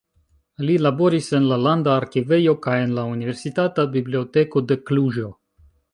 Li laboris en la Landa Arkivejo kaj en la Universitata Biblioteko de Kluĵo.